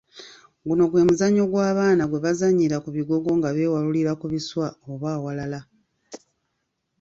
Guno gwe muzannyo gw'abaana gwe bazannyira ku bigogo nga beewalurira ku biswa oba awalala.